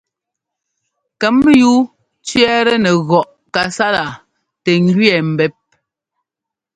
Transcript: Kɛmyúu tsẅɛ́ɛtɛ nɛ gɔꞌ kasala tɛ ŋgẅɛɛ mbɛ́p.